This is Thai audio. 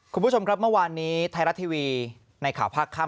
คุณผู้ชมครับเมื่อวานนี้ไทยรัฐทีวีในข่าวภาคค่ำ